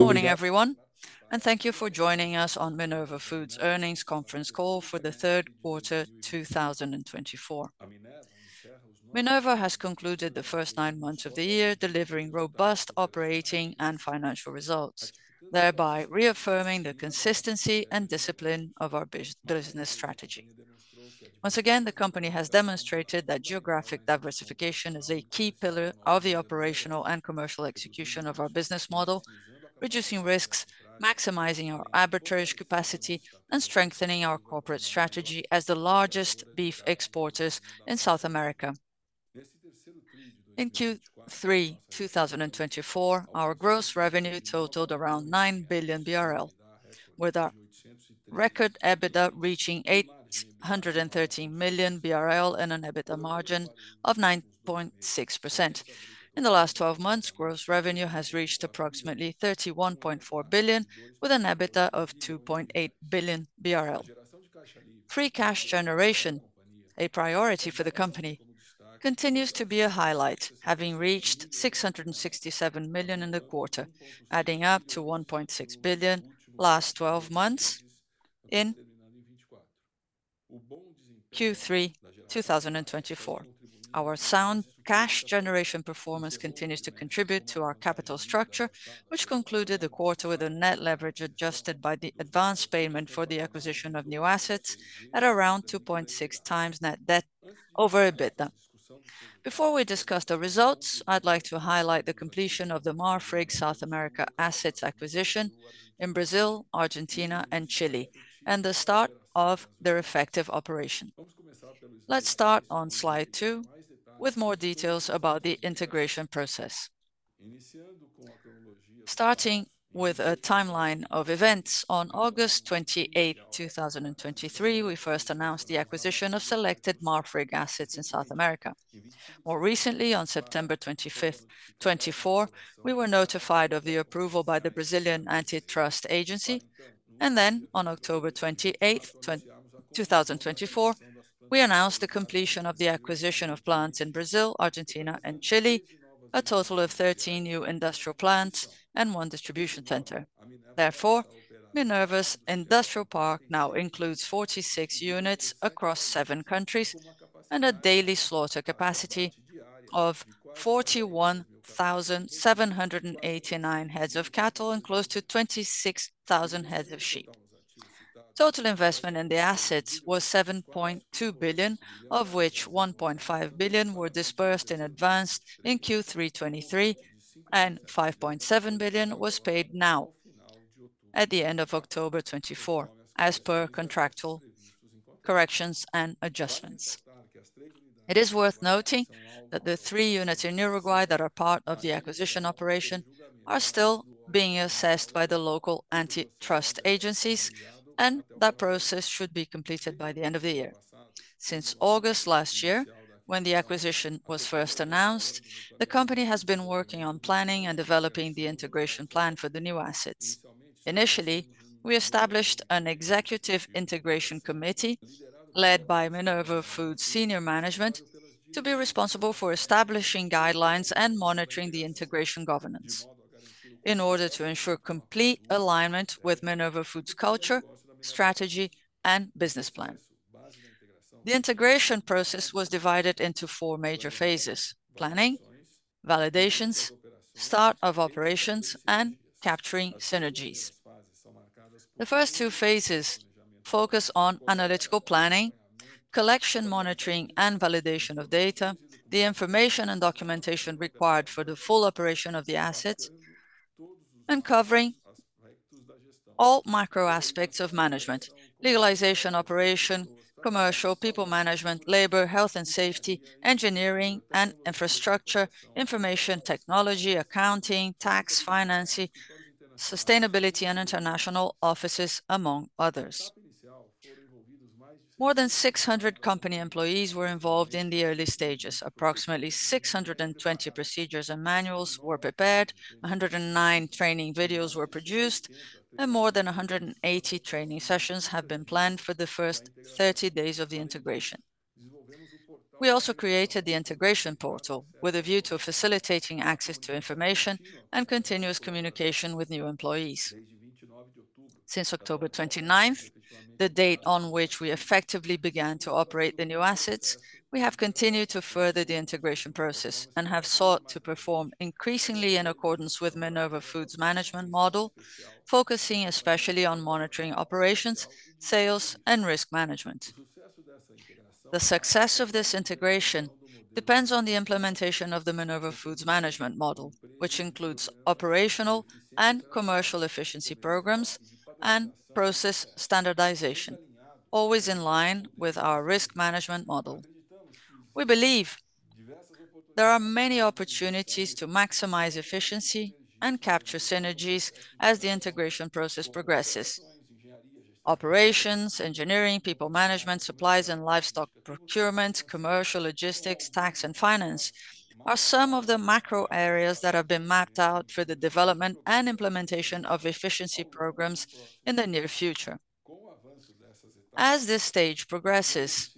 Good morning, everyone, and thank you for joining us on Minerva Foods earnings conference call for the Q3 2024. Minerva has concluded the first nine months of the year, delivering robust operating and financial results, thereby reaffirming the consistency and discipline of our business strategy. Once again, the company has demonstrated that geographic diversification is a key pillar of the operational and commercial execution of our business model, reducing risks, maximizing our arbitrage capacity, and strengthening our corporate strategy as the largest beef exporters in South America. In Q3 2024, our gross revenue totaled around 9 billion BRL, with our record EBITDA reaching 813 million BRL and an EBITDA margin of 9.6%. In the last 12 months, gross revenue has reached approximately 31.4 billion, with an EBITDA of 2.8 billion BRL. Free cash generation, a priority for the company, continues to be a highlight, having reached 667 million in the quarter, adding up to 1.6 billion last 12 months. In Q3 2024, our sound cash generation performance continues to contribute to our capital structure, which concluded the quarter with a net leverage adjusted by the advance payment for the acquisition of new assets at around 2.6x net debt over EBITDA. Before we discuss the results, I'd like to highlight the completion of the Marfrig South America assets acquisition in Brazil, Argentina, and Chile, and the start of their effective operation. Let's start on slide two with more details about the integration process. Starting with a timeline of events, on August 28th, 2023, we first announced the acquisition of selected Marfrig assets in South America. More recently, on September 25th, 2024, we were notified of the approval by the Brazilian antitrust agency. And then, on October 28th, 2024, we announced the completion of the acquisition of plants in Brazil, Argentina, and Chile, a total of 13 new industrial plants and one distribution center. Therefore, Minerva's industrial park now includes 46 units across seven countries and a daily slaughter capacity of 41,789 heads of cattle and close to 26,000 heads of sheep. Total investment in the assets was 7.2 billion, of which 1.5 billion were disbursed in advance in Q3 2023, and 5.7 billion was paid now at the end of October 2024, as per contractual corrections and adjustments. It is worth noting that the three units in Uruguay that are part of the acquisition operation are still being assessed by the local antitrust agencies, and that process should be completed by the end of the year. Since August last year, when the acquisition was first announced, the company has been working on planning and developing the integration plan for the new assets. Initially, we established an executive integration committee led by Minerva Foods senior management to be responsible for establishing guidelines and monitoring the integration governance in order to ensure complete alignment with Minerva Foods culture, strategy, and business plan. The integration process was divided into four major phases: planning, validations, start of operations, and capturing synergies. The first two phases focus on analytical planning, collection, monitoring, and validation of data, the information and documentation required for the full operation of the assets, and covering all macro aspects of management: legalization, operation, commercial, people management, labor, health and safety, engineering and infrastructure, information technology, accounting, tax, financing, sustainability, and international offices, among others. More than 600 company employees were involved in the early stages. Approximately 620 procedures and manuals were prepared, 109 training videos were produced, and more than 180 training sessions have been planned for the first 30 days of the integration. We also created the integration portal with a view to facilitating access to information and continuous communication with new employees. Since October 29th, the date on which we effectively began to operate the new assets, we have continued to further the integration process and have sought to perform increasingly in accordance with Minerva Foods management model, focusing especially on monitoring operations, sales, and risk management. The success of this integration depends on the implementation of the Minerva Foods management model, which includes operational and commercial efficiency programs and process standardization, always in line with our risk management model. We believe there are many opportunities to maximize efficiency and capture synergies as the integration process progresses. Operations, engineering, people management, supplies and livestock procurement, commercial logistics, tax, and finance are some of the macro areas that have been mapped out for the development and implementation of efficiency programs in the near future. As this stage progresses,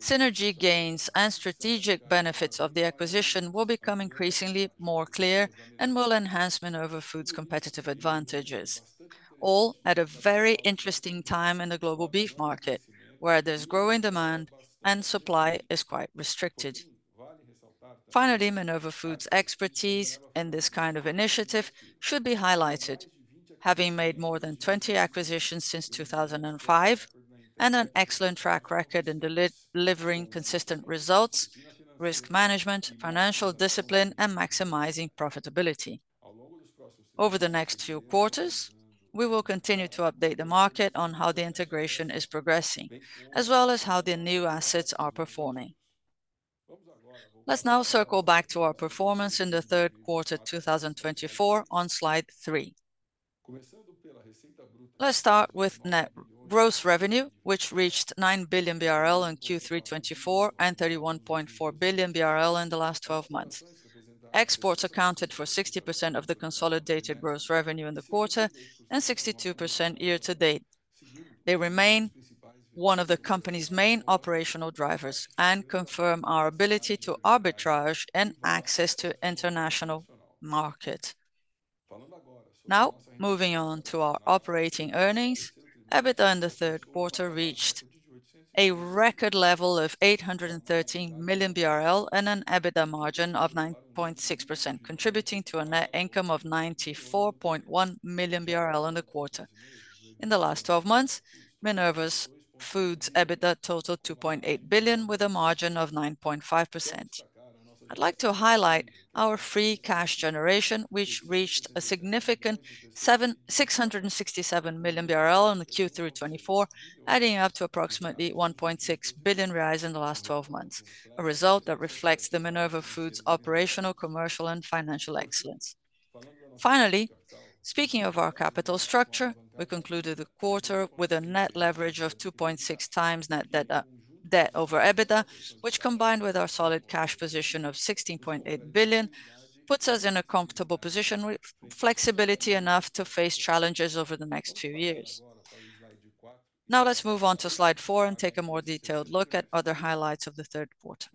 synergy gains and strategic benefits of the acquisition will become increasingly more clear and will enhance Minerva Foods competitive advantages, all at a very interesting time in the global beef market, where there's growing demand and supply is quite restricted. Finally, Minerva Foods expertise in this kind of initiative should be highlighted, having made more than 20 acquisitions since 2005 and an excellent track record in delivering consistent results, risk management, financial discipline, and maximizing profitability. Over the next few quarters, we will continue to update the market on how the integration is progressing, as well as how the new assets are performing. Let's now circle back to our performance in the Q3 2024 on slide three. Let's start with net gross revenue, which reached 9 billion BRL in Q3 24 and 31.4 billion BRL in the last 12 months. Exports accounted for 60% of the consolidated gross revenue in the quarter and 62% year to date. They remain one of the company's main operational drivers and confirm our ability to arbitrage and access to international markets. Now, moving on to our operating earnings, EBITDA in the Q3 reached a record level of 813 million BRL and an EBITDA margin of 9.6%, contributing to a net income of 94.1 million BRL in the quarter. In the last 12 months, Minerva Foods EBITDA totaled 2.8 billion with a margin of 9.5%. I'd like to highlight our free cash generation, which reached a significant 667 million BRL in Q3 2024, adding up to approximately 1.6 billion in the last 12 months, a result that reflects the Minerva Foods operational, commercial, and financial excellence. Finally, speaking of our capital structure, we concluded the quarter with a net leverage of 2.6x net debt over EBITDA, which, combined with our solid cash position of 16.8 billion, puts us in a comfortable position with flexibility enough to face challenges over the next few years. Now, let's move on to slide four and take a more detailed look at other highlights of the Q3.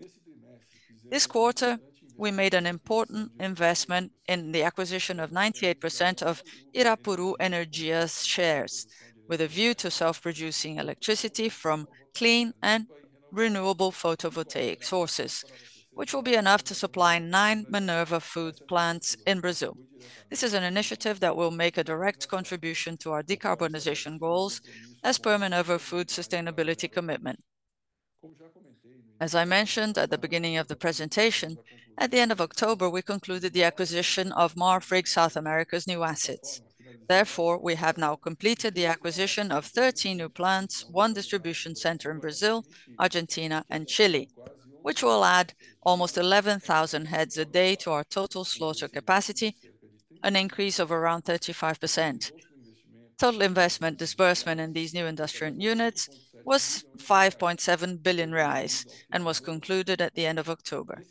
This quarter, we made an important investment in the acquisition of 98% of Irapuru Energia's shares, with a view to self-producing electricity from clean and renewable photovoltaic sources, which will be enough to supply nine Minerva Foods plants in Brazil. This is an initiative that will make a direct contribution to our decarbonization goals, as per Minerva Foods sustainability commitment. As I mentioned at the beginning of the presentation, at the end of October, we concluded the acquisition of Marfrig South America's new assets. Therefore, we have now completed the acquisition of 13 new plants, one distribution center in Brazil, Argentina, and Chile, which will add almost 11,000 heads a day to our total slaughter capacity, an increase of around 35%. Total investment disbursement in these new industrial units was 5.7 billion reais and was concluded at the end of October.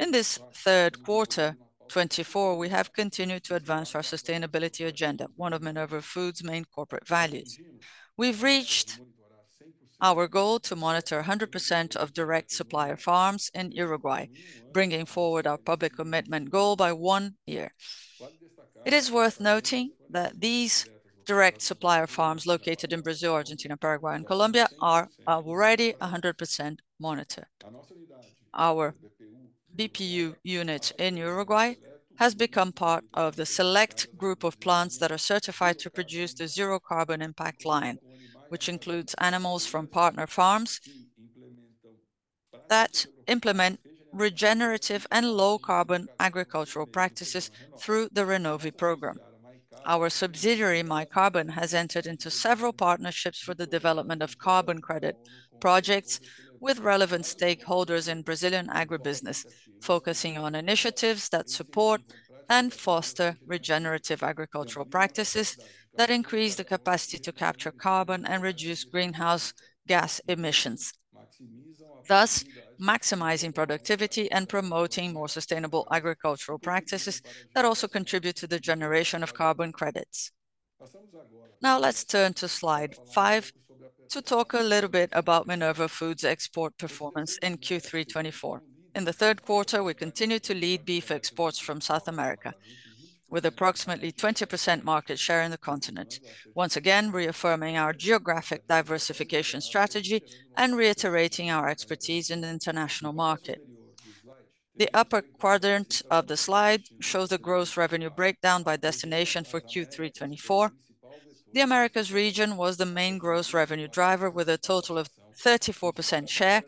In this Q3 2024, we have continued to advance our sustainability agenda, one of Minerva Foods main corporate values. We've reached our goal to monitor 100% of direct supplier farms in Uruguay, bringing forward our public commitment goal by one year. It is worth noting that these direct supplier farms located in Brazil, Argentina, Paraguay, and Colombia are already 100% monitored. Our BPU unit in Uruguay has become part of the select group of plants that are certified to produce the zero carbon impact line, which includes animals from partner farms that implement regenerative and low carbon agricultural practices through the Renove Program. Our subsidiary MyCarbon has entered into several partnerships for the development of carbon credit projects with relevant stakeholders in Brazilian agribusiness, focusing on initiatives that support and foster regenerative agricultural practices that increase the capacity to capture carbon and reduce greenhouse gas emissions, thus maximizing productivity and promoting more sustainable agricultural practices that also contribute to the generation of carbon credits. Now, let's turn to slide five to talk a little bit about Minerva Foods export performance in Q3 2024. In the Q3, we continue to lead beef exports from South America, with approximately 20% market share in the continent, once again reaffirming our geographic diversification strategy and reiterating our expertise in the international market. The upper quadrant of the slide shows the gross revenue breakdown by destination for Q3 2024. The Americas region was the main gross revenue driver, with a total of 34% share,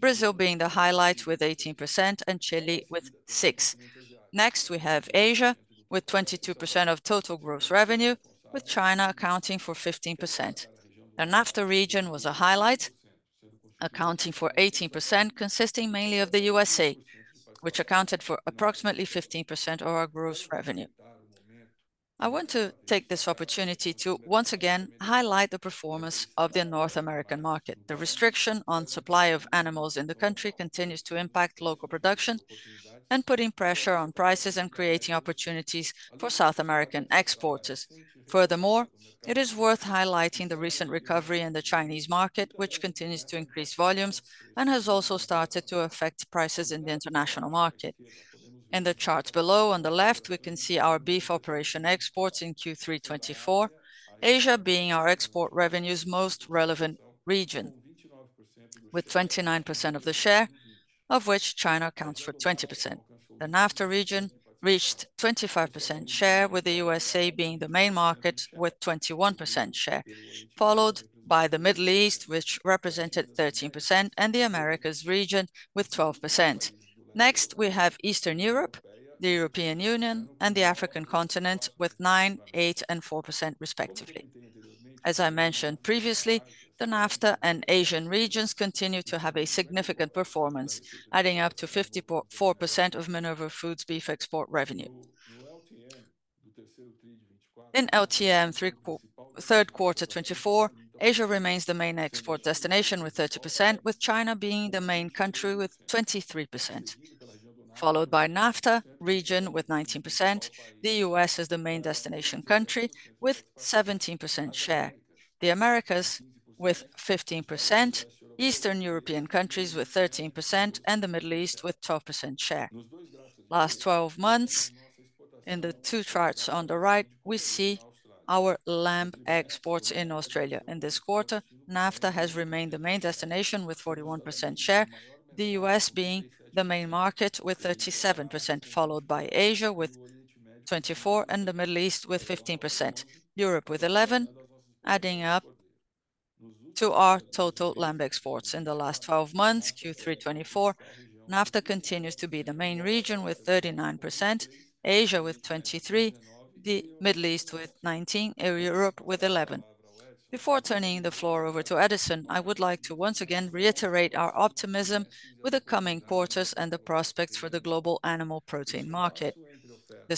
Brazil being the highlight with 18% and Chile with 6%. Next, we have Asia with 22% of total gross revenue, with China accounting for 15%. The NAFTA region was a highlight, accounting for 18%, consisting mainly of the USA, which accounted for approximately 15% of our gross revenue. I want to take this opportunity to once again highlight the performance of the North American market. The restriction on supply of animals in the country continues to impact local production and put pressure on prices and create opportunities for South American exporters. Furthermore, it is worth highlighting the recent recovery in the Chinese market, which continues to increase volumes and has also started to affect prices in the international market. In the chart below on the left, we can see our beef operation exports in Q3 2024, Asia being our export revenues most relevant region, with 29% of the share, of which China accounts for 20%. The NAFTA region reached 25% share, with the USA being the main market, with 21% share, followed by the Middle East, which represented 13%, and the Americas region with 12%. Next, we have Eastern Europe, the European Union, and the African continent, with 9%, 8%, and 4% respectively. As I mentioned previously, the NAFTA and Asian regions continue to have a significant performance, adding up to 54% of Minerva Foods beef export revenue. In LTM Q3 2024, Asia remains the main export destination with 30%, with China being the main country with 23%, followed by NAFTA region with 19%. The U.S. is the main destination country with 17% share, the Americas with 15%, Eastern European countries with 13%, and the Middle East with 12% share. Last 12 months, in the two charts on the right, we see our lamb exports in Australia. In this quarter, NAFTA has remained the main destination with 41% share, the U.S. being the main market with 37%, followed by Asia with 24% and the Middle East with 15%, Europe with 11%, adding up to our total lamb exports. In the last 12 months, Q3 2024, NAFTA continues to be the main region with 39%, Asia with 23%, the Middle East with 19%, and Europe with 11%. Before turning the floor over to Edison, I would like to once again reiterate our optimism with the coming quarters and the prospects for the global animal protein market. The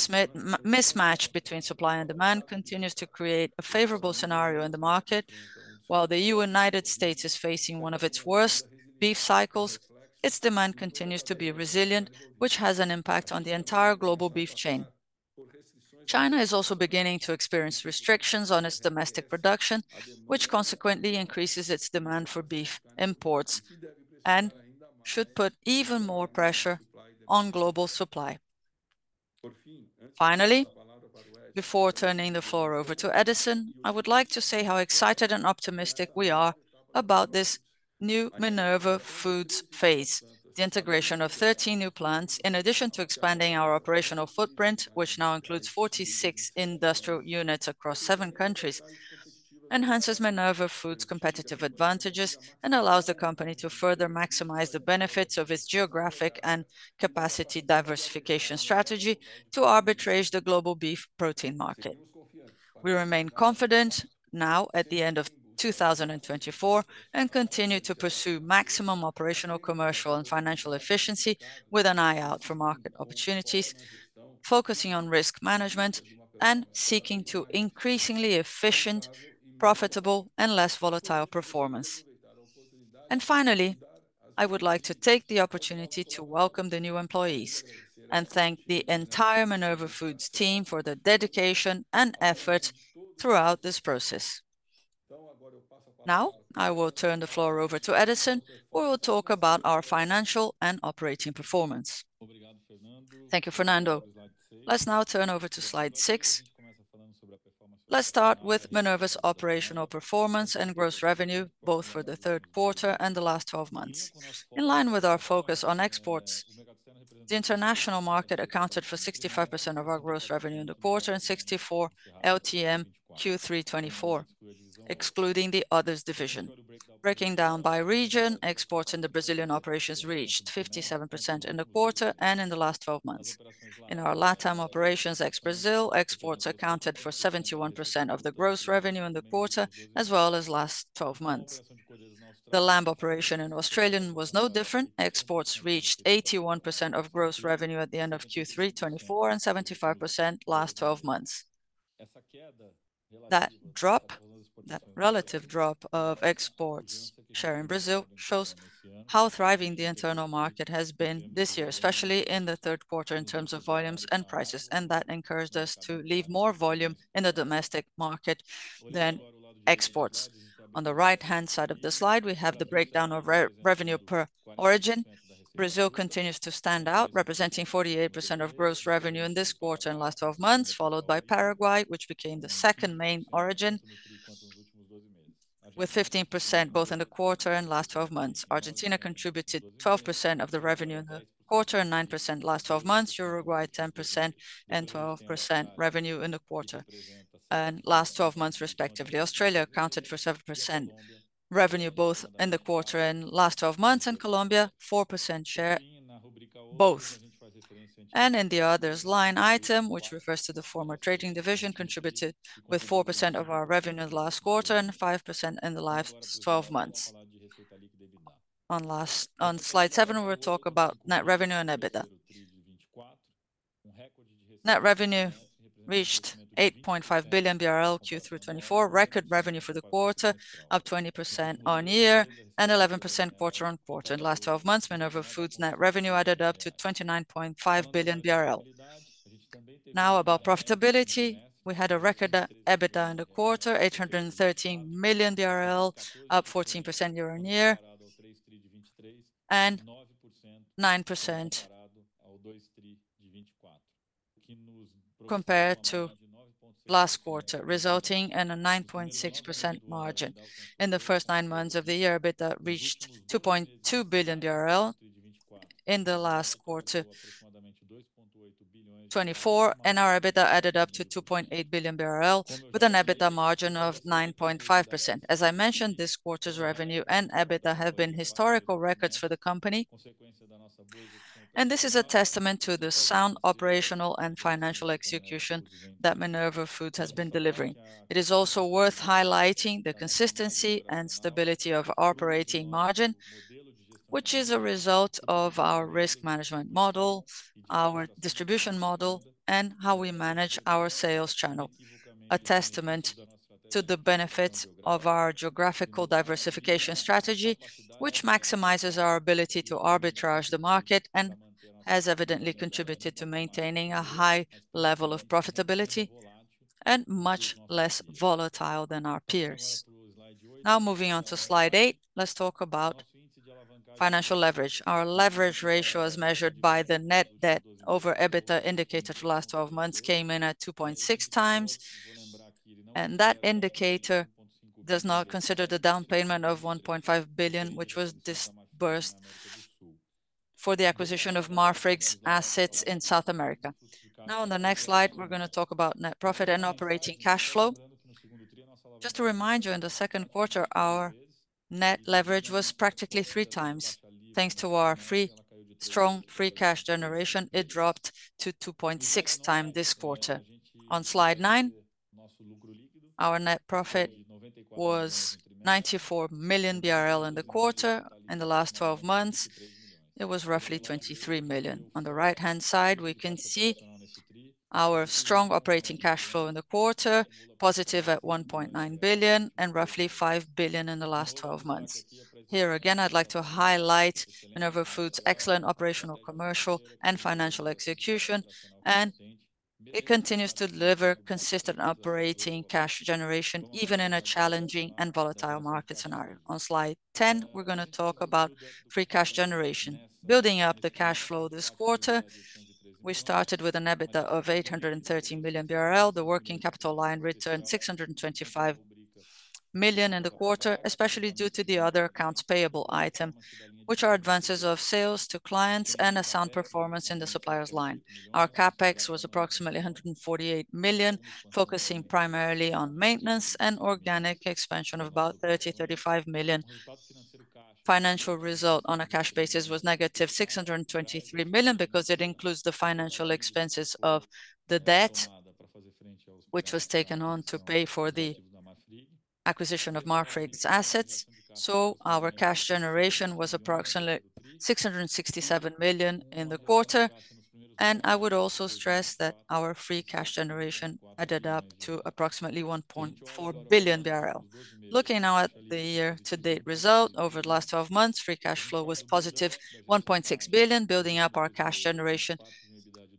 mismatch between supply and demand continues to create a favorable scenario in the market. While the United States is facing one of its worst beef cycles, its demand continues to be resilient, which has an impact on the entire global beef chain. China is also beginning to experience restrictions on its domestic production, which consequently increases its demand for beef imports and should put even more pressure on global supply. Finally, before turning the floor over to Edison, I would like to say how excited and optimistic we are about this new Minerva Foods phase. The integration of 13 new plants, in addition to expanding our operational footprint, which now includes 46 industrial units across seven countries, enhances Minerva Foods competitive advantages and allows the company to further maximize the benefits of its geographic and capacity diversification strategy to arbitrage the global beef protein market. We remain confident now at the end of 2024 and continue to pursue maximum operational, commercial, and financial efficiency with an eye out for market opportunities, focusing on risk management and seeking to increasingly efficient, profitable, and less volatile performance. Finally, I would like to take the opportunity to welcome the new employees and thank the entire Minerva Foods team for the dedication and effort throughout this process. Now, I will turn the floor over to Edison, who will talk about our financial and operating performance. Thank you, Fernando. Let's now turn over to slide six. Let's start with Minerva's operational performance and gross revenue, both for the Q3 and the last 12 months. In line with our focus on exports, the international market accounted for 65% of our gross revenue in the quarter and 64% LTM Q3 2024, excluding the others division. Breaking down by region, exports in the Brazilian operations reached 57% in the quarter and in the last 12 months. In our LATAM operations ex-Brazil, exports accounted for 71% of the gross revenue in the quarter, as well as last 12 months. The lamb operation in Australia was no different. Exports reached 81% of gross revenue at the end of Q3 2024 and 75% last 12 months. That drop, that relative drop of exports share in Brazil shows how thriving the internal market has been this year, especially in the Q3 in terms of volumes and prices, and that encouraged us to leave more volume in the domestic market than exports. On the right-hand side of the slide, we have the breakdown of revenue per origin. Brazil continues to stand out, representing 48% of gross revenue in this quarter and last 12 months, followed by Paraguay, which became the second main origin, with 15% both in the quarter and last 12 months. Argentina contributed 12% of the revenue in the quarter and 9% last 12 months. Uruguay 10% and 12% revenue in the quarter and last 12 months, respectively. Australia accounted for 7% revenue both in the quarter and last 12 months, and Colombia 4% share both. And in the others line item, which refers to the former trading division, contributed with 4% of our revenue in the last quarter and 5% in the last 12 months. On slide seven, we will talk about net revenue and EBITDA. Net revenue reached 8.5 billion BRL Q3 2024, record revenue for the quarter, up 20% on year and 11% quarter on quarter. In the last 12 months, Minerva Foods net revenue added up to 29.5 billion BRL. Now, about profitability, we had a record EBITDA in the quarter, 813 million BRL, up 14% year on year and 9% compared to last quarter, resulting in a 9.6% margin. In the first nine months of the year, EBITDA reached 2.2 billion BRL in the last quarter, and our EBITDA added up to 2.8 billion BRL, with an EBITDA margin of 9.5%. As I mentioned, this quarter's revenue and EBITDA have been historical records for the company, and this is a testament to the sound operational and financial execution that Minerva Foods has been delivering. It is also worth highlighting the consistency and stability of our operating margin, which is a result of our risk management model, our distribution model, and how we manage our sales channel, a testament to the benefits of our geographical diversification strategy, which maximizes our ability to arbitrage the market and has evidently contributed to maintaining a high level of profitability and much less volatile than our peers. Now, moving on to slide eight, let's talk about financial leverage. Our leverage ratio, as measured by the net debt over EBITDA indicator for the last 12 months, came in at 2.6 times, and that indicator does not consider the down payment of 1.5 billion, which was disbursed for the acquisition of Marfrig's assets in South America. Now, on the next slide, we're going to talk about net profit and operating cash flow. Just to remind you, in the Q2, our net leverage was practically 3x. Thanks to our strong free cash generation, it dropped to 2.6x this quarter. On slide nine, our net profit was 94 million BRL in the quarter. In the last 12 months, it was roughly 23 million. On the right-hand side, we can see our strong operating cash flow in the quarter, positive at 1.9 billion and roughly 5 billion in the last 12 months. Here again, I'd like to highlight Minerva Foods excellent operational, commercial, and financial execution, and it continues to deliver consistent operating cash generation even in a challenging and volatile market scenario. On slide ten, we're going to talk about free cash generation, building up the cash flow this quarter. We started with an EBITDA of 813 million BRL. The working capital line returned 625 million in the quarter, especially due to the other accounts payable item, which are advances of sales to clients and a sound performance in the supplier's line. Our CapEx was approximately 148 million, focusing primarily on maintenance and organic expansion of about 30-35 million. Financial result on a cash basis was negative 623 million because it includes the financial expenses of the debt, which was taken on to pay for the acquisition of Marfrig's assets. Our cash generation was approximately 667 million in the quarter, and I would also stress that our free cash generation added up to approximately 1.4 billion BRL. Looking now at the year-to-date result over the last 12 months, free cash flow was positive 1.6 billion, building up our cash generation.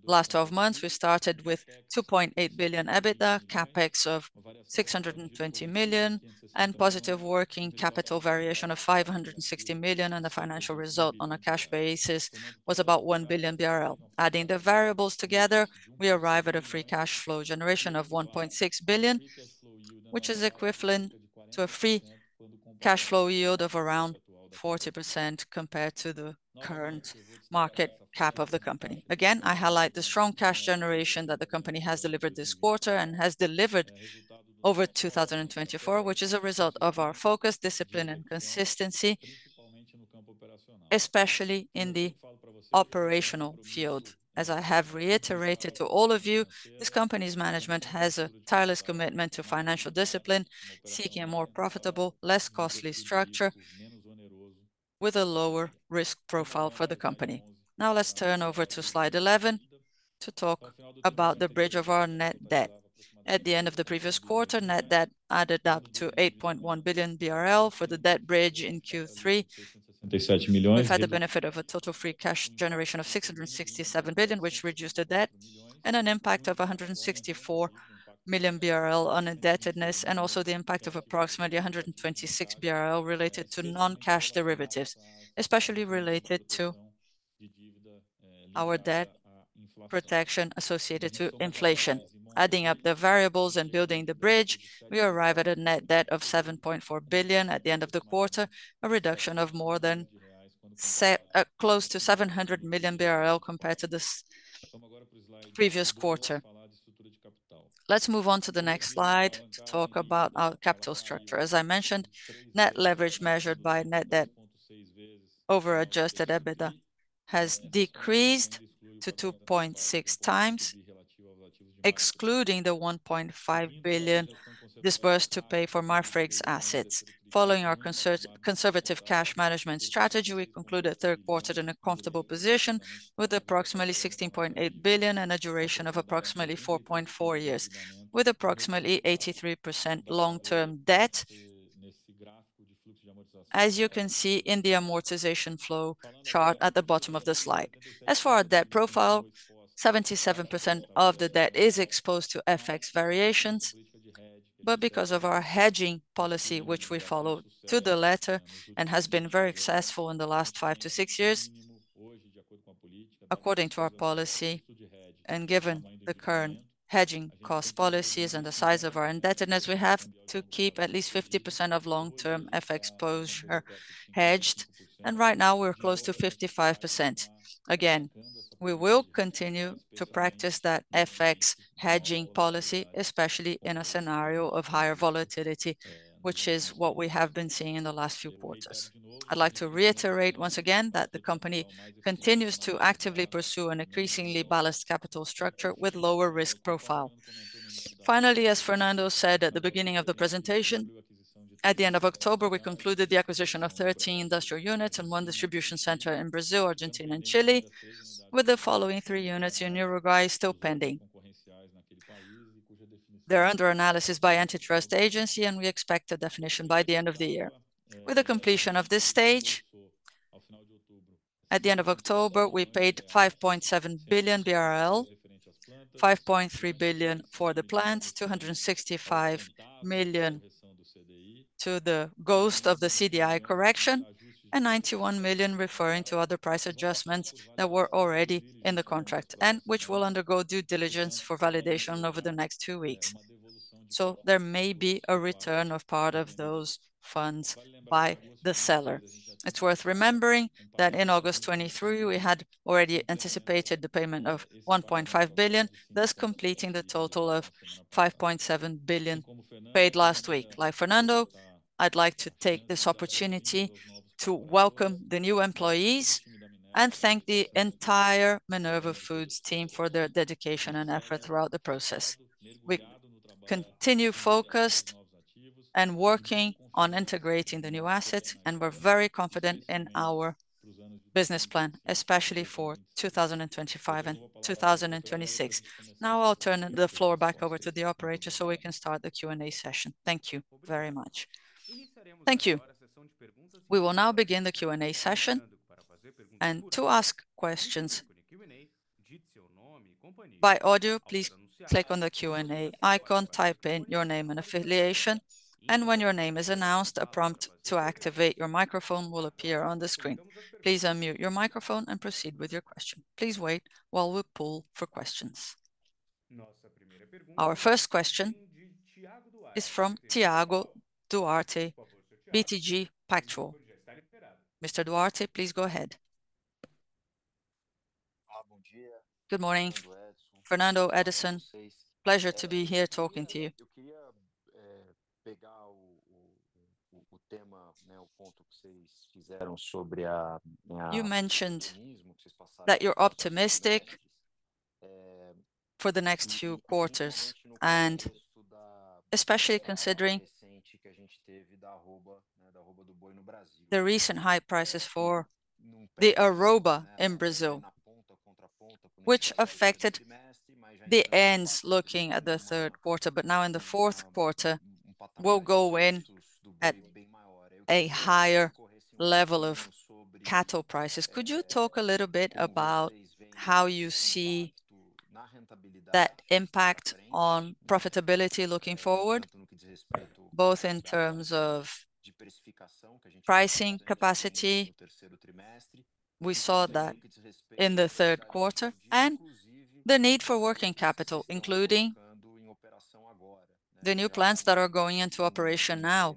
Last 12 months, we started with 2.8 billion EBITDA, CapEx of 620 million, and positive working capital variation of 560 million, and the financial result on a cash basis was about 1 billion BRL. Adding the variables together, we arrive at a free cash flow generation of 1.6 billion, which is equivalent to a free cash flow yield of around 40% compared to the current market cap of the company. Again, I highlight the strong cash generation that the company has delivered this quarter and has delivered over 2024, which is a result of our focus, discipline, and consistency, especially in the operational field. As I have reiterated to all of you, this company's management has a tireless commitment to financial discipline, seeking a more profitable, less costly structure with a lower risk profile for the company. Now, let's turn over to slide 11 to talk about the bridge of our net debt. At the end of the previous quarter, net debt added up to 8.1 billion BRL for the debt bridge in Q3. We've had the benefit of a total free cash generation of 667 billion, which reduced the debt and an impact of 164 million BRL on indebtedness, and also the impact of approximately 126 BRL related to non-cash derivatives, especially related to our debt protection associated with inflation. Adding up the variables and building the bridge, we arrive at a net debt of 7.4 billion at the end of the quarter, a reduction of more than close to 700 million BRL compared to the previous quarter. Let's move on to the next slide to talk about our capital structure. As I mentioned, net leverage measured by net debt over adjusted EBITDA has decreased to 2.6 times, excluding the 1.5 billion disbursed to pay for Marfrig's assets. Following our conservative cash management strategy, we concluded the Q3 in a comfortable position with approximately 16.8 billion and a duration of approximately 4.4 years, with approximately 83% long-term debt, as you can see in the amortization flow chart at the bottom of the slide. As for our debt profile, 77% of the debt is exposed to FX variations, but because of our hedging policy, which we follow to the letter and has been very successful in the last five to six years, according to our policy and given the current hedging cost policies and the size of our indebtedness, we have to keep at least 50% of long-term FX exposure hedged, and right now we're close to 55%. Again, we will continue to practice that FX hedging policy, especially in a scenario of higher volatility, which is what we have been seeing in the last few quarters. I'd like to reiterate once again that the company continues to actively pursue an increasingly balanced capital structure with a lower risk profile. Finally, as Fernando said at the beginning of the presentation, at the end of October, we concluded the acquisition of 13 industrial units and one distribution center in Brazil, Argentina, and Chile, with the following three units in Uruguay still pending. They're under analysis by the Antitrust Agency, and we expect a definition by the end of the year. With the completion of this stage, at the end of October, we paid 5.7 billion BRL, 5.3 billion for the plants, 265 million the CDI correction, and 91 million referring to other price adjustments that were already in the contract and which will undergo due diligence for validation over the next two weeks. So there may be a return of part of those funds by the seller. It's worth remembering that in August 2023, we had already anticipated the payment of 1.5 billion, thus completing the total of 5.7 billion paid last week. Like Fernando, I'd like to take this opportunity to welcome the new employees and thank the entire Minerva Foods team for their dedication and effort throughout the process. We continue focused and working on integrating the new assets, and we're very confident in our business plan, especially for 2025 and 2026. Now I'll turn the floor back over to the operator so we can start the Q&A session. Thank you very much. Thank you. We will now begin the Q&A session. To ask questions by audio, please click on the Q&A icon, type in your name and affiliation, and when your name is announced, a prompt to activate your microphone will appear on the screen. Please unmute your microphone and proceed with your question. Please wait while we poll for questions. Our first question is from Thiago Duarte, BTG Pactual. Mr. Duarte, please go ahead. Good morning, Fernando, Edison. Pleasure to be here talking to you. You mentioned that you're optimistic for the next few quarters, especially considering the recent high prices for the arroba in Brazil, which affected the margins looking at the Q3, but now in the Q4, we'll go in at a higher level of cattle prices. Could you talk a little bit about how you see that impact on profitability looking forward, both in terms of pricing capacity we saw in the Q3 and the need for working capital, including the new plants that are going into operation now,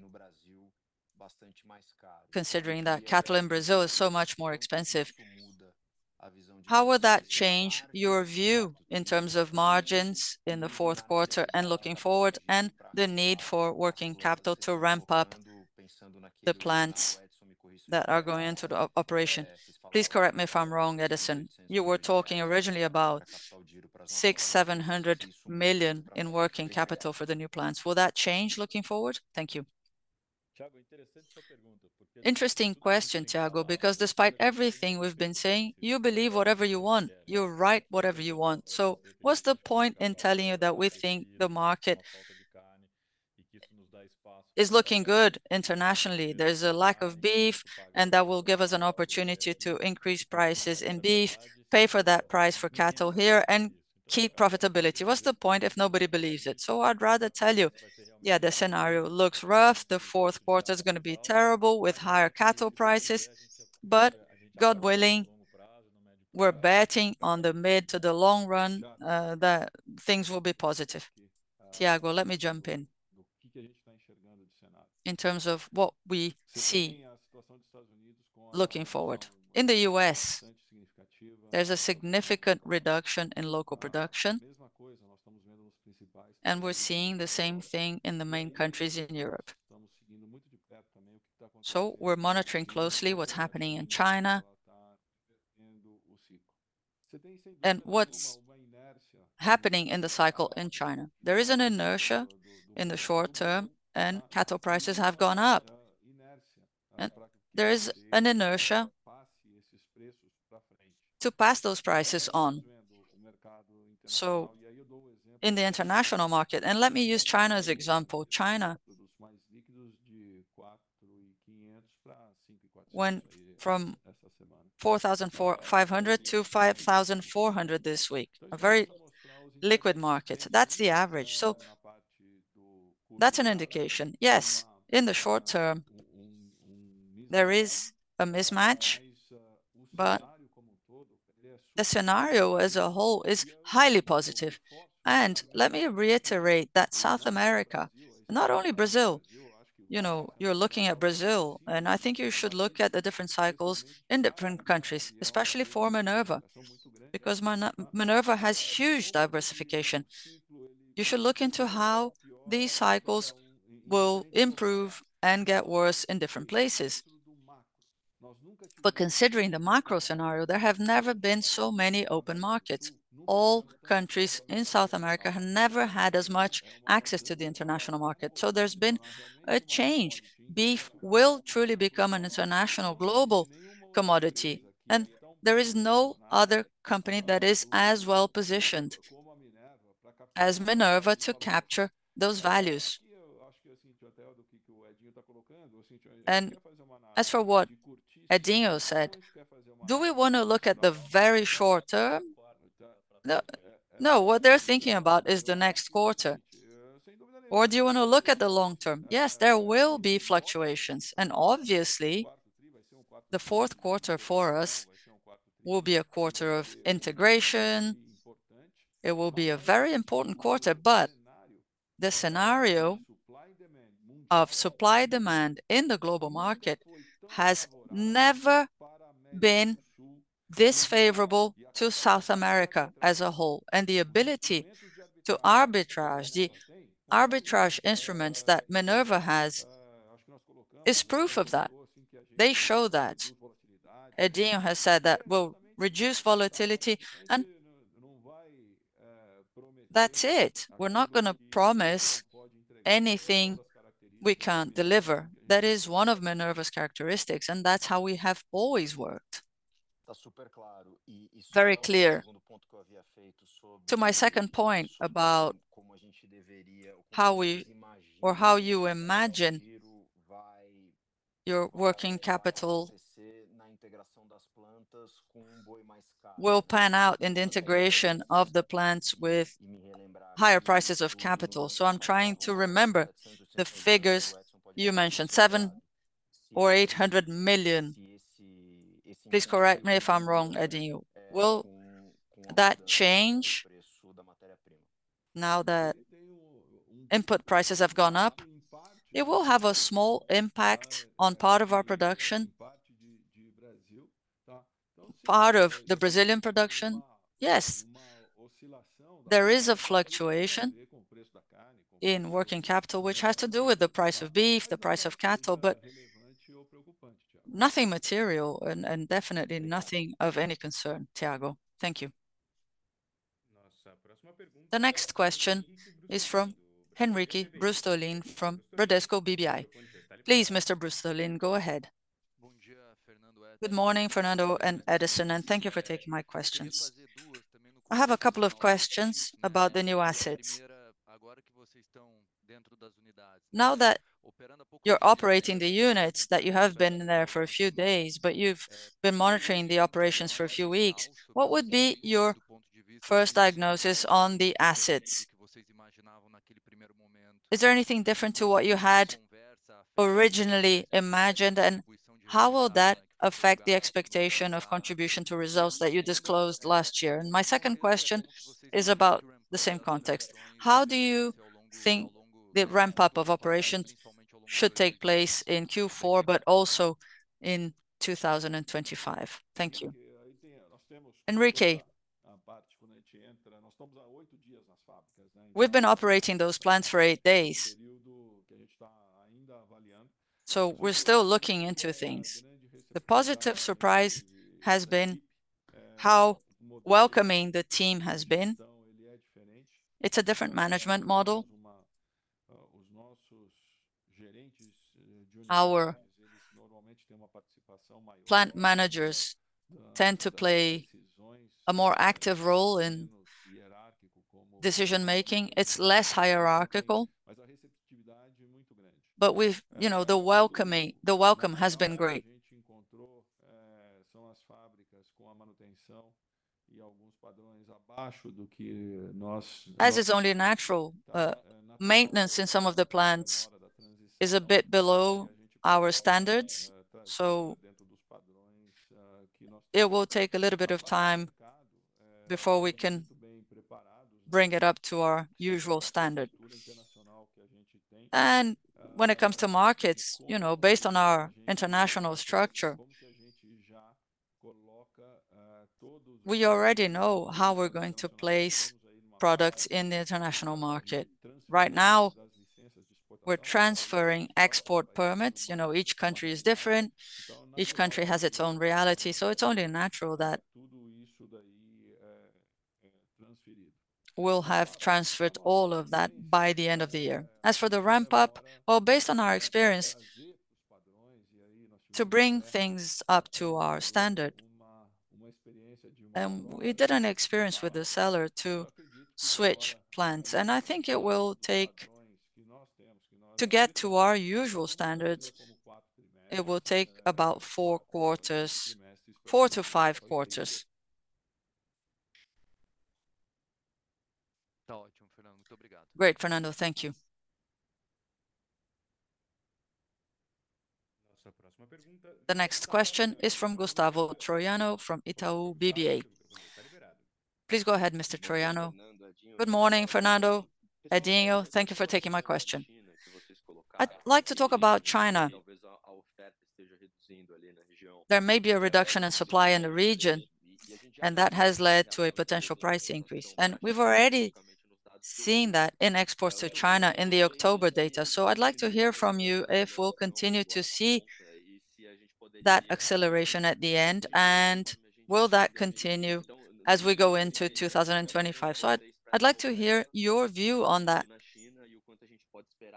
considering that cattle in Brazil is so much more expensive? How would that change your view in terms of margins in the Q4 and looking forward, and the need for working capital to ramp up the plants that are going into operation? Please correct me if I'm wrong, Edison. You were talking originally about 600-700 million in working capital for the new plants. Will that change looking forward? Thank you. Interesting question, Thiago, because despite everything we've been saying, you believe whatever you want. You write whatever you want. So what's the point in telling you that we think the market is looking good internationally?vThere's a lack of beef, and that will give us an opportunity to increase prices in beef, pay for that price for cattle here, and keep profitability. What's the point if nobody believes it? So I'd rather tell you, yeah, the scenario looks rough. The Q4 is going to be terrible with higher cattle prices, but God willing, we're betting on the mid to the long run that things will be positive. Thiago, let me jump in. In terms of what we see looking forward, in the U.S., there's a significant reduction in local production, and we're seeing the same thing in the main countries in Europe. So we're monitoring closely what's happening in China and what's happening in the cycle in China. There is an inertia in the short term, and cattle prices have gone up, and there is an inertia to pass those prices on. In the international market, let me use China as an example. China went from 4,500-5,400 this week, a very liquid market. That's the average. That's an indication, yes, in the short term, there is a mismatch, but the scenario as a whole is highly positive. Let me reiterate that South America, not only Brazil, you know, you're looking at Brazil, and I think you should look at the different cycles in different countries, especially for Minerva, because Minerva has huge diversification. You should look into how these cycles will improve and get worse in different places. Considering the macro scenario, there have never been so many open markets. All countries in South America have never had as much access to the international market. There's been a change. Beef will truly become an international global commodity, and there is no other company that is as well positioned as Minerva to capture those values. As for what Edinho said, do we want to look at the very short term? No, what they're thinking about is the next quarter. Or do you want to look at the long term? Yes, there will be fluctuations, and obviously, the Q4 for us will be a quarter of integration. It will be a very important quarter, but the scenario of supply demand in the global market has never been this favorable to South America as a whole, and the ability to arbitrage, the arbitrage instruments that Minerva has is proof of that. They show that Edinho has said that we'll reduce volatility, and that's it. We're not going to promise anything we can't deliver. That is one of Minerva's characteristics, and that's how we have always worked. Very clear. To my second point about how we or how you imagine your working capital, we'll pan out in the integration of the plants with higher prices of capital. So I'm trying to remember the figures you mentioned, 700 million or 800 million. Please correct me if I'm wrong, Edinho. Will that change now that input prices have gone up? It will have a small impact on part of our production, part of the Brazilian production. Yes, there is a fluctuation in working capital, which has to do with the price of beef, the price of cattle, but nothing material and definitely nothing of any concern. Thiago, thank you. The next question is from Henrique Brustolin from Bradesco BBI. Please, Mr. Brustolin, go ahead. Good morning, Fernando and Edison, and thank you for taking my questions. I have a couple of questions about the new assets. Now that you're operating the units, that you have been there for a few days, but you've been monitoring the operations for a few weeks, what would be your first diagnosis on the assets? Is there anything different to what you had originally imagined, and how will that affect the expectation of contribution to results that you disclosed last year? And my second question is about the same context. How do you think the ramp-up of operations should take place in Q4, but also in 2025? Thank you. Henrique, we've been operating those plants for eight days, so we're still looking into things. The positive surprise has been how welcoming the team has been. It's a different management model. Our plant managers tend to play a more active role in decision-making. It's less hierarchical, but the welcome has been great. As is only natural, maintenance in some of the plants is a bit below our standards, so it will take a little bit of time before we can bring it up to our usual standard, and when it comes to markets, you know, based on our international structure, we already know how we're going to place products in the international market. Right now, we're transferring export permits. You know, each country is different. Each country has its own reality, so it's only natural that we'll have transferred all of that by the end of the year. As for the ramp-up, well, based on our experience to bring things up to our standard, we did an experience with the seller to switch plants, and I think it will take to get to our usual standards. It will take about four quarters, four to five quarters. Great, Fernando. Thank you. The next question is from Gustavo Troyano from Itaú BBA. Please go ahead, Mr. Troyano. Good morning, Fernando. Edinho, thank you for taking my question. I'd like to talk about China. There may be a reduction in supply in the region, and that has led to a potential price increase, and we've already seen that in exports to China in the October data. So I'd like to hear from you if we'll continue to see that acceleration at the end, and will that continue as we go into 2025? I'd like to hear your view on that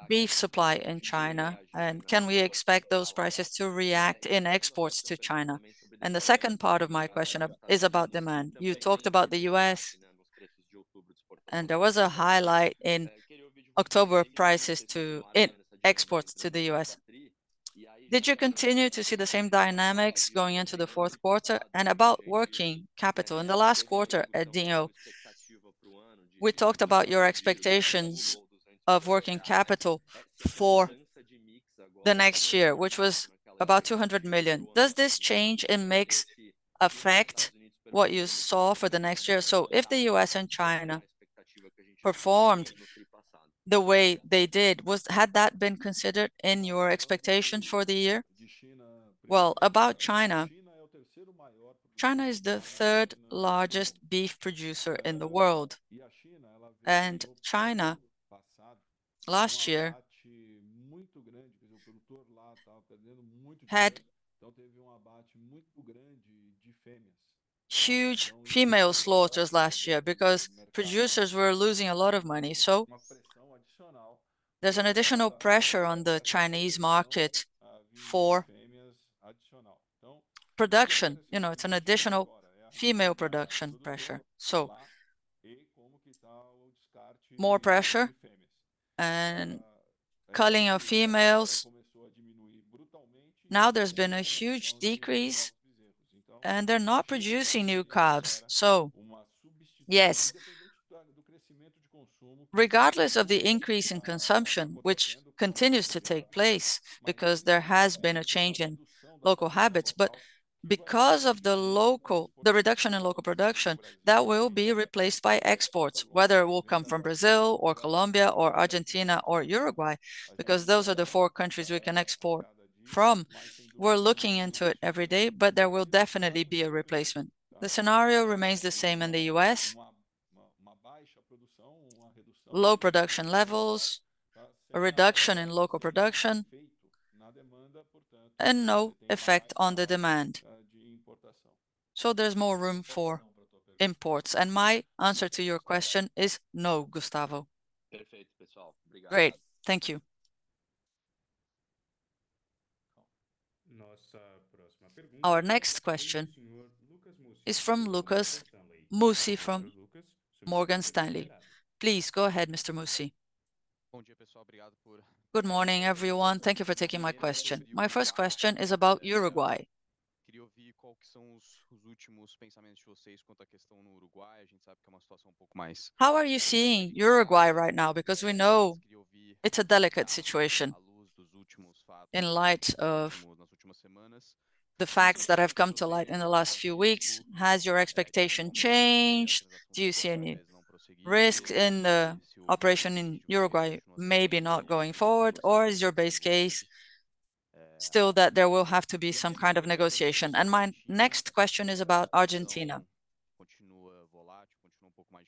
beef supply in China, and can we expect those prices to react in exports to China? And the second part of my question is about demand. You talked about the U.S., and there was a highlight in October prices to exports to the U.S. Did you continue to see the same dynamics going into the Q4? And about working capital, in the last quarter, Edinho, we talked about your expectations of working capital for the next year, which was about 200 million. Does this change in mix affect what you saw for the next year? So if the U.S. and China performed the way they did, had that been considered in your expectation for the year? About China, China is the third largest beef producer in the world, and China, last year, had a huge female slaughters last year because producers were losing a lot of money. So there's an additional pressure on the Chinese market for production. You know, it's an additional female production pressure. So more pressure and culling of females now there's been a huge decrease, and they're not producing new calves. So yes, regardless of the increase in consumption, which continues to take place because there has been a change in local habits, but because of the local, the reduction in local production, that will be replaced by exports, whether it will come from Brazil or Colombia or Argentina or Uruguay, because those are the four countries we can export from. We're looking into it every day, but there will definitely be a replacement. The scenario remains the same in the U.S., low production levels, a reduction in local production, and no effect on the demand. So there's more room for imports. And my answer to your question is no, Gustavo. Perfeito, pessoal. Great, thank you. Our next question is from Lucas Mussi, from Morgan Stanley. Please go ahead, Mr. Mussi. Good morning, everyone. Thank you for taking my question. My first question is about Uruguay. How are you seeing Uruguay right now? Because we know it's a delicate situation in the like of the facts that have come to light in the last few weeks, has your expectation changed? Do you see any risks in the operation in Uruguay maybe not going forward, or is your base case still that there will have to be some kind of negotiation? My next question is about Argentina.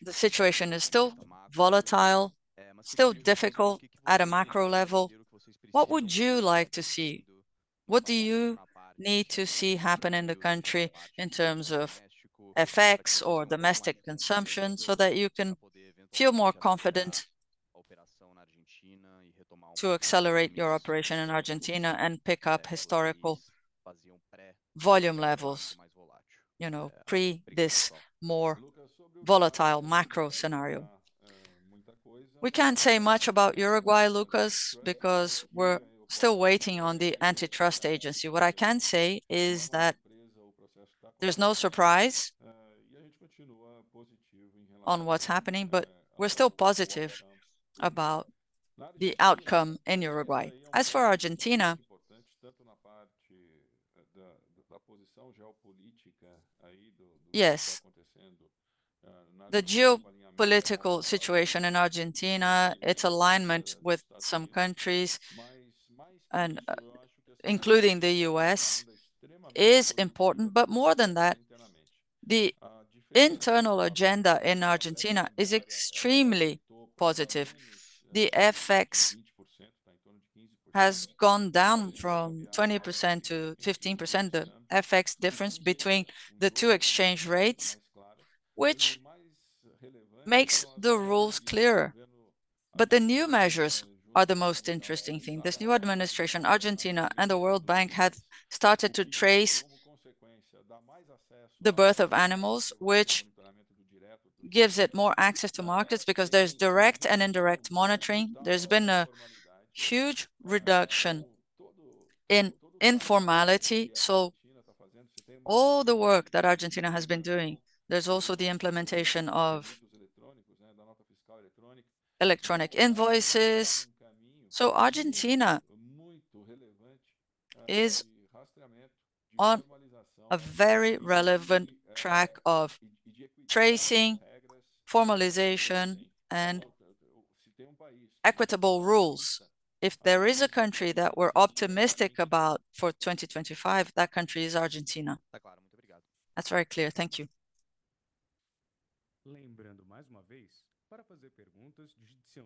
The situation is still volatile, still difficult at a macro level. What would you like to see? What do you need to see happen in the country in terms of FX or domestic consumption so that you can feel more confident to accelerate your operation in Argentina and pick up historical volume levels, you know, pre this more volatile macro scenario? We can't say much about Uruguay, Lucas, because we're still waiting on the antitrust agency. What I can say is that there's no surprise on what's happening, but we're still positive about the outcome in Uruguay. As for Argentina, yes. The geopolitical situation in Argentina, its alignment with some countries, including the U.S., is important, but more than that, the internal agenda in Argentina is extremely positive. The FX have gone down from 20% to 15%, the FX difference between the two exchange rates, which makes the rules clearer. But the new measures are the most interesting thing. This new administration, Argentina, and the World Bank have started to trace the birth of animals, which gives it more access to markets because there's direct and indirect monitoring. There's been a huge reduction in informality, so all the work that Argentina has been doing. There's also the implementation of electronic invoices. So Argentina is a very relevant track of tracing, formalization, and equitable rules. If there is a country that we're optimistic about for 2025, that country is Argentina. That's very clear. Thank you.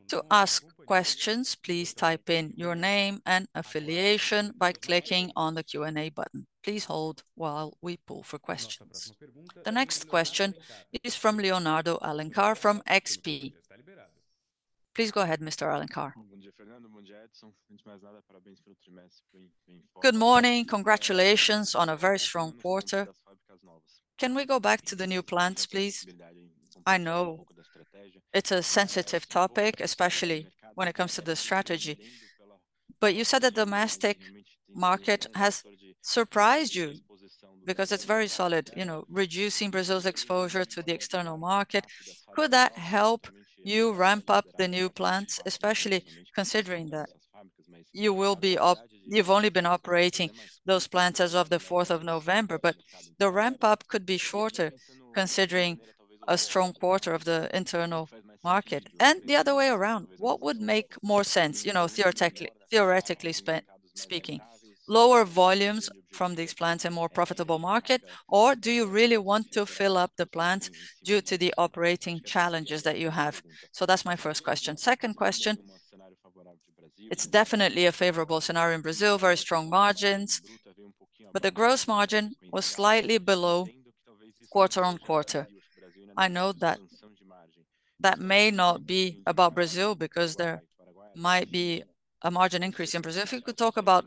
To ask questions, please type in your name and affiliation by clicking on the Q&A button. Please hold while we pull for questions. The next question is from Leonardo Alencar from XP. Please go ahead, Mr. Alencar. Bom dia, Fernando. Bom dia, Edison. Antes de mais nada, parabéns pelo trimestre. Good morning. Congratulations on a very strong quarter. Can we go back to the new plants, please? I know it's a sensitive topic, especially when it comes to the strategy. But you said that the domestic market has surprised you because it's very solid, you know, reducing Brazil's exposure to the external market. Could that help you ramp up the new plants, especially considering that you will be up? You've only been operating those plants as of the 4th of November, but the ramp-up could be shorter considering a strong quarter of the internal market, and the other way around, what would make more sense, you know, theoretically speaking? Lower volumes from these plants and more profitable market, or do you really want to fill up the plants due to the operating challenges that you have, so that's my first question. Second question, it's definitely a favorable scenario in Brazil, very strong margins, but the gross margin was slightly below quarter on quarter. I know that that may not be about Brazil because there might be a margin increase in Brazil. If you could talk about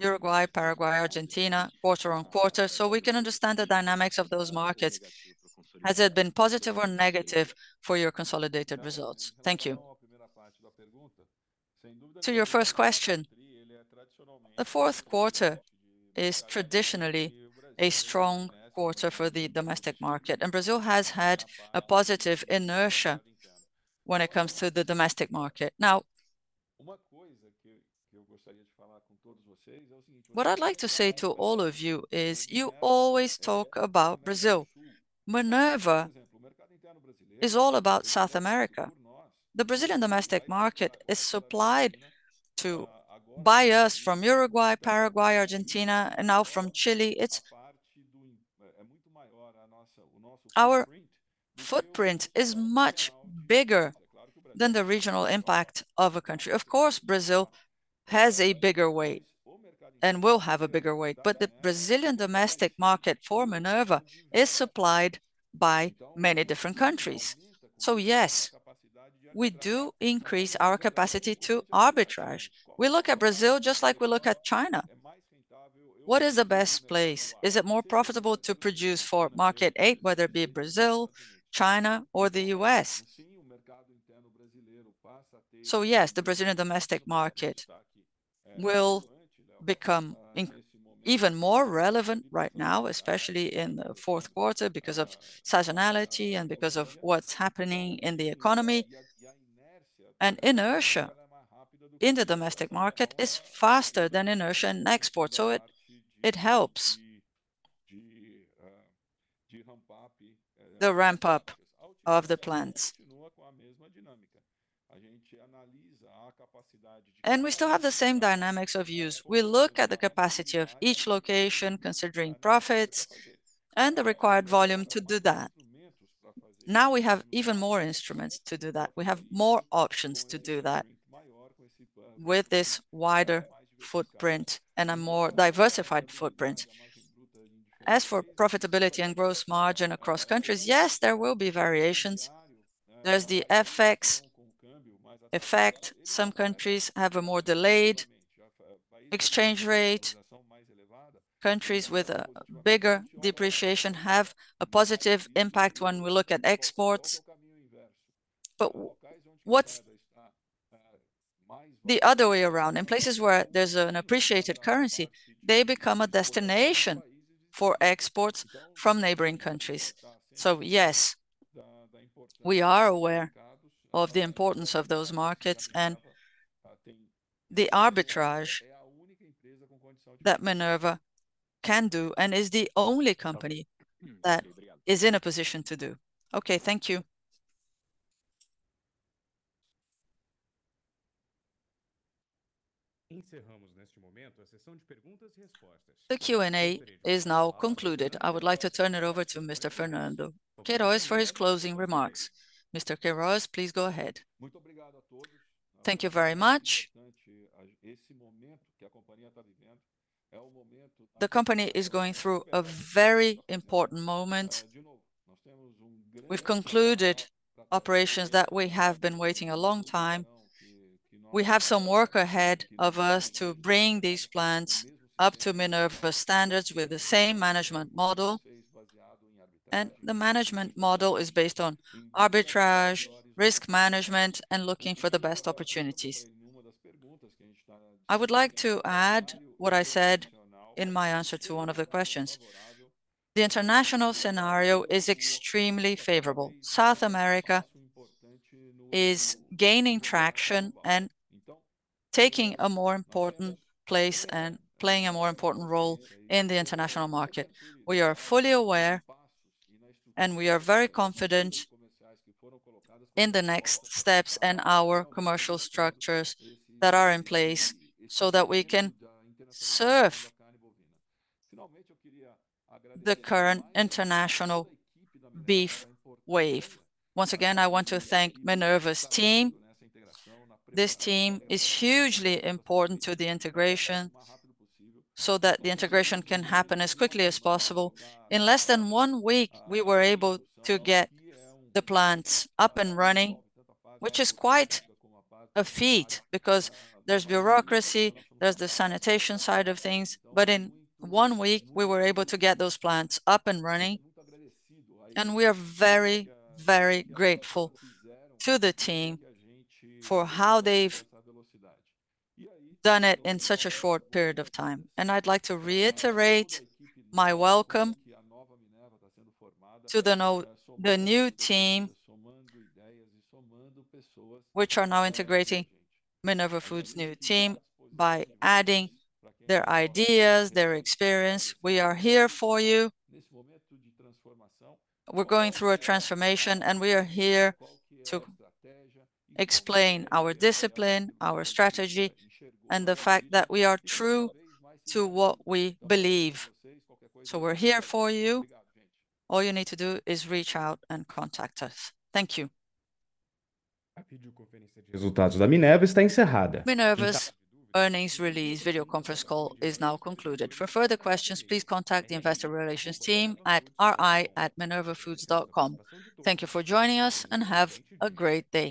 Uruguay, Paraguay, Argentina, quarter on quarter, so we can understand the dynamics of those markets. Has it been positive or negative for your consolidated results? Thank you. To your first question, the Q4 is traditionally a strong quarter for the domestic market, and Brazil has had a positive inertia when it comes to the domestic market. Now, what I'd like to say to all of you is you always talk about Brazil. Minerva is all about South America. The Brazilian domestic market is supplied by us from Uruguay, Paraguay, Argentina, and now from Chile. It's our footprint is much bigger than the regional impact of a country. Of course, Brazil has a bigger weight and will have a bigger weight, but the Brazilian domestic market for Minerva is supplied by many different countries. So yes, we do increase our capacity to arbitrage. We look at Brazil just like we look at China. What is the best place? Is it more profitable to produce for market A, whether it be Brazil, China, or the U.S.? So yes, the Brazilian domestic market will become even more relevant right now, especially in the Q4 because of seasonality and because of what's happening in the economy, and inertia in the domestic market is faster than inertia in exports, so it helps the ramp-up of the plants, and we still have the same dynamics of use. We look at the capacity of each location, considering profits and the required volume to do that. Now we have even more instruments to do that. We have more options to do that with this wider footprint and a more diversified footprint. As for profitability and gross margin across countries, yes, there will be variations. There's the FX effect. Some countries have a more delayed exchange rate. Countries with a bigger depreciation have a positive impact when we look at exports, but what's the other way around? In places where there's an appreciated currency, they become a destination for exports from neighboring countries. So yes, we are aware of the importance of those markets and the arbitrage that Minerva can do and is the only company that is in a position to do. Okay, thank you. The Q&A is now concluded. I would like to turn it over to Mr. Fernando Queiroz for his closing remarks. Mr. Queiroz, please go ahead. Thank you very much. The company is going through a very important moment. We've concluded operations that we have been waiting a long time. We have some work ahead of us to bring these plants up to Minerva standards with the same management model. The management model is based on arbitrage, risk management, and looking for the best opportunities. I would like to add what I said in my answer to one of the questions. The international scenario is extremely favorable. South America is gaining traction and taking a more important place and playing a more important role in the international market. We are fully aware and we are very confident in the next steps and our commercial structures that are in place so that we can serve the current international beef wave. Once again, I want to thank Minerva's team. This team is hugely important to the integration so that the integration can happen as quickly as possible. In less than one week, we were able to get the plants up and running, which is quite a feat because there's bureaucracy, there's the sanitation side of things, but in one week, we were able to get those plants up and running, and we are very, very grateful to the team for how they've done it in such a short period of time, and I'd like to reiterate my welcome to the new team, which are now integrating Minerva Foods new team by adding their ideas, their experience. We are here for you. We're going through a transformation, and we are here to explain our discipline, our strategy, and the fact that we are true to what we believe, so we're here for you. All you need to do is reach out and contact us. Thank you. Minerva's earnings release video conference call is now concluded. For further questions, please contact the investor relations team at ri@minervafoods.com. Thank you for joining us and have a great day.